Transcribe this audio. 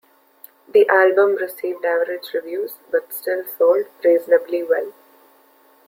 The album received average reviews, but still sold reasonably well.